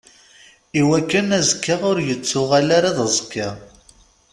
Iwakken azekka ur aɣ-yettuɣal ara d aẓekka.